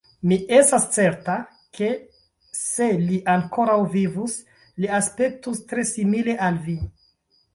Mi estas certa, ke, se li ankoraŭ vivus, li aspektus tre simile al vi.